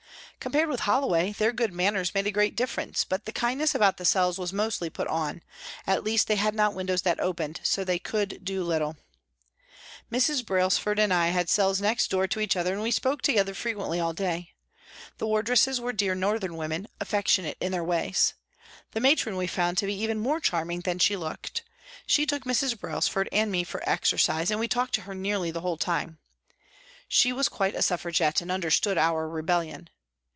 Compared with Holloway, their good manners made a great differ ence, but the kindness about the cells was mostly put on ; at least, they had not windows that opened, so they could do little. Mrs. Brailsford and I had cells next door to each other, we spoke together frequently all day. The wardresses were dear northern women, affectionate in their ways. The Matron we found to be even more charming than she looked. She took Mrs. Brailsford and me for exercise, and we talked to her nearly the whole NEWCASTLE PRISON 227 time. She was quite a Suffragette and understood our rebellion.